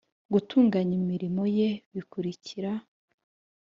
gutunganya imirimo ye bikurikira